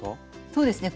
そうですね